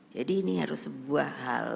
jadi ini harus sebuah hal